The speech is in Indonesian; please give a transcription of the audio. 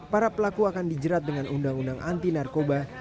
para pelaku akan dijerat dengan undang undang anti narkoba